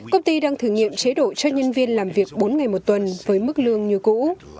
công ty đang thử nghiệm chế độ cho nhân viên làm việc bốn ngày một tuần với mức lương như cũ